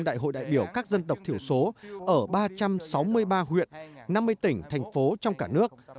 đại hội đại biểu các dân tộc thiểu số ở ba trăm sáu mươi ba huyện năm mươi tỉnh thành phố trong cả nước